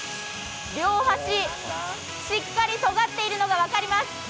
両端しっかりとがっているのがわかります。